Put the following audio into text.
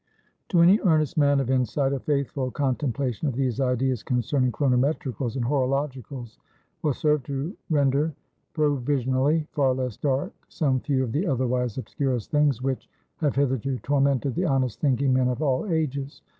"To any earnest man of insight, a faithful contemplation of these ideas concerning Chronometricals and Horologicals, will serve to render provisionally far less dark some few of the otherwise obscurest things which have hitherto tormented the honest thinking men of all ages.